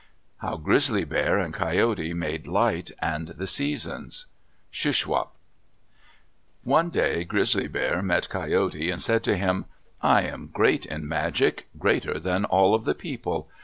HOW GRIZZLY BEAR AND COYOTE MADE LIGHT AND THE SEASONS Shuswap One day Grizzly Bear met Coyote and said to him, "I am great in magic, greater than all of the people.